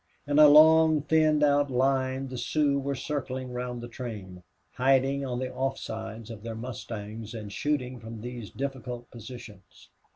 In a long thinned out line the Sioux were circling round the train, hiding on the off sides of their mustangs, and shooting from these difficult positions.